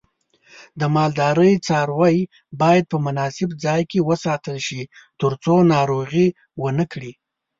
د مالدارۍ څاروی باید په مناسب ځای کې وساتل شي ترڅو ناروغي ونه کړي.